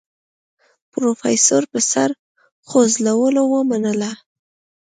پروفيسر په سر خوځولو ومنله.